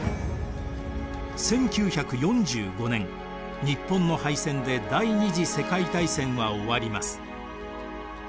１９４５年日本の敗戦で第二次世界大戦は終わります。